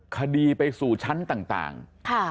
คดีไปสู่ชั้นต่าง